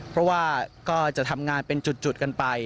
เพราะว่าก็จะทำงานเป็นจุดกันไป